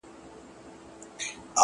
• د هغه هر وخت د ښکلا خبر په لپه کي دي؛